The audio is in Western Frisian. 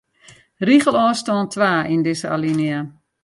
Rigelôfstân twa yn dizze alinea.